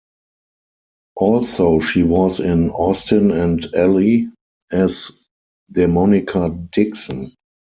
Also she was in "Austin and Ally" as Damonica Dixon.